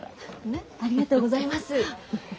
ありがとうございます。